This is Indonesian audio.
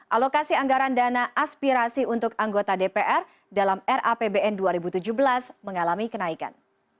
alokasi anggaran dana aspirasi untuk anggota dpr dalam rapbn dua ribu tujuh belas mengalami kenaikan